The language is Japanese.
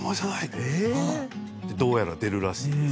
どうやら出るらしい。